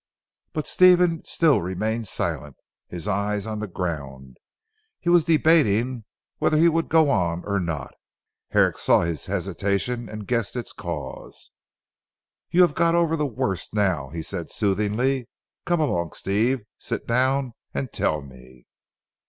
But Stephen still remained silent, his eyes on the ground, He was debating whether he would go on or not. Herrick saw his hesitation and guessed its cause. "You have got over the worst now," he said soothingly. "Come along, Steve. Sit down and tell me."